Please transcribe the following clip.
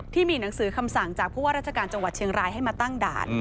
ที่มีหนังสือคำสั่งจากผู้ว่าราชการจังหวัดเชียงรายให้มาตั้งด่าน